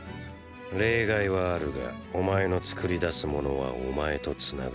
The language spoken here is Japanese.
例外はあるがお前の作り出す物はお前と繋がっている。